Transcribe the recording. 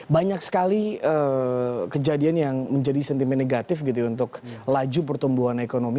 banyak sekali kejadian yang menjadi sentimen negatif gitu ya untuk laju pertumbuhan ekonomi